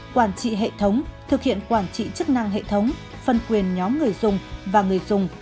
quản trị hệ thống thực hiện quản trị chức năng hệ thống phân quyền nhóm người dùng và người dùng